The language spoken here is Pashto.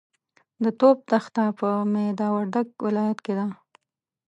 د ټوپ دښته په میدا وردګ ولایت کې ده.